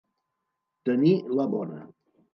Tenir la bona.